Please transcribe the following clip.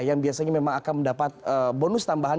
yang biasanya memang akan mendapat bonus tambahan